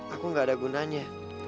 aku gak ada gunanya